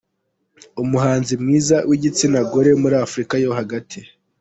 Umuhanzi mwiza w’igitsina gore muri Afurika yo hagati.